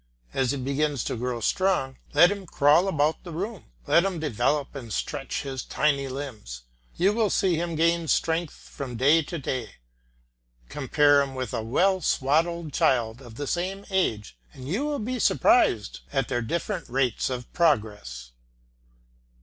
As he begins to grow stronger, let him crawl about the room; let him develop and stretch his tiny limbs; you will see him gain strength from day to day. Compare him with a well swaddled child of the same age and you will be surprised at their different rates of progress.